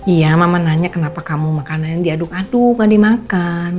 iya mama nanya kenapa kamu makanannya diaduk aduk nggak dimakan